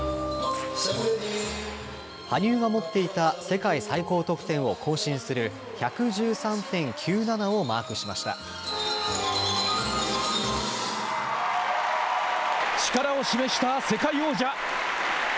羽生が持っていた世界最高得点を更新する１１３．９７をマークしました。